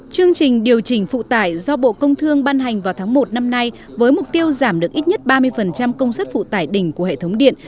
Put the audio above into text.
chương trình điều chỉnh phụ tải do bộ công thương ban hành vào tháng một năm nay với mục tiêu giảm được ít nhất ba mươi công suất phụ tải đỉnh của hệ thống điện